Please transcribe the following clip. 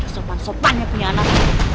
sumpah sumpahnya punya anak